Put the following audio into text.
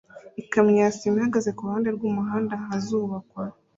Ikamyo ya sima ihagaze kuruhande rwumuhanda ahazubakwa